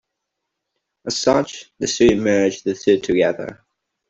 As such, the Sui merged the two together.